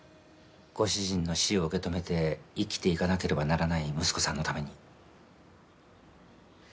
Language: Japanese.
ご主人の死を受け止めて生きていかなければならない息子さんのために。